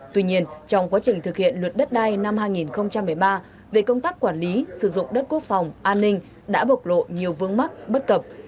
tuy nhiên trong quá trình thực hiện luật đất đai năm hai nghìn một mươi ba về công tác quản lý sử dụng đất quốc phòng an ninh đã bộc lộ nhiều vương mắc bất cập